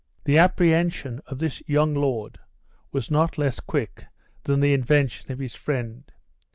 The apprehension of this young lord was not less quick than the invention of his friend.